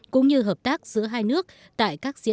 cũng như hợp tác giữa hai nước